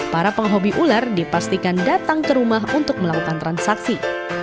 para penghobi ular dipastikan datang ke rumah untuk melakukan transaksi